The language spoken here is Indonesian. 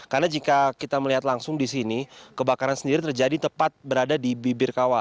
karena jika kita melihat langsung di sini kebakaran sendiri terjadi tepat berada di bibir kawah